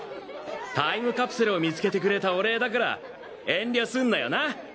タイムカプセルを見つけてくれたお礼だから遠慮すんなよな。